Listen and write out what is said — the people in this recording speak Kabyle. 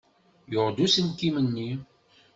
Yuɣ-d uselkim-nni.